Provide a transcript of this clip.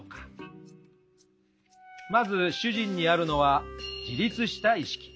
まず主人にあるのは「自立した意識」。